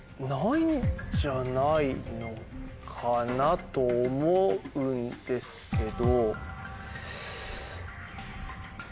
えぇ？んじゃないのかなと思うんですけど。